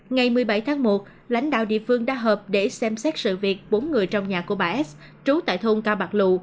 ngày một mươi bảy tháng một lãnh đạo địa phương đã họp để xem xét sự việc bốn người trong nhà của bà s trú tại thôn cao bạc lụ